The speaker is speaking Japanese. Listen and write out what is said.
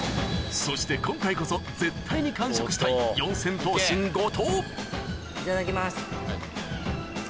そして今回こそ絶対に完食したいいただきます。